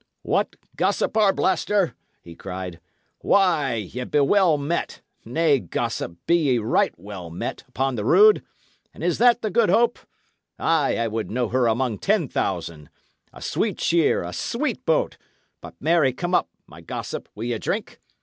"What! Gossip Arblaster!" he cried. "Why, ye be well met; nay, gossip, ye be right well met, upon the rood! And is that the Good Hope? Ay, I would know her among ten thousand! a sweet shear, a sweet boat! But marry come up, my gossip, will ye drink?